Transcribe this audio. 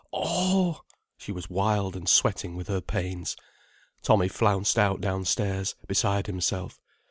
Oh—!" She was wild and sweating with her pains. Tommy flounced out downstairs, beside himself.